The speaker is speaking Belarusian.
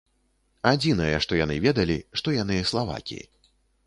Адзінае, што яны ведалі, што яны славакі.